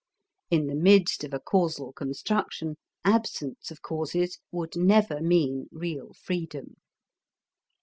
In the midst of a causal construction, absence of causes would never mean real freedom.